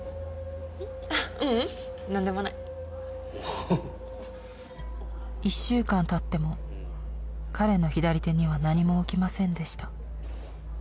ううん何でもない１週間たっても彼の左手には何も起きませんでした